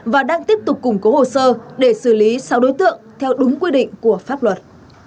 và đang tiếp tục củng cố hồ sơ để xử lý sáu đối tượng theo đúng quy định của pháp luật